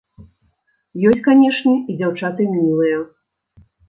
Ёсць, канечне, і дзяўчаты мілыя.